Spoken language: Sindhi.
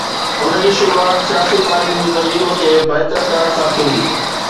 ان جي شروعات سياسي پارٽين جي تنظيم کي بهتر ڪرڻ سان ٿيندي.